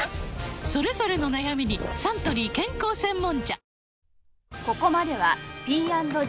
それぞれの悩みにサントリー健康専門茶